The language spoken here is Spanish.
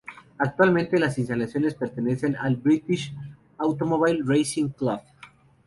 Actualmente, las instalaciones pertenecen al British Automobile Racing Club.